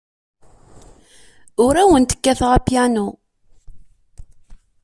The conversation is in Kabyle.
Ur awent-kkateɣ apyanu.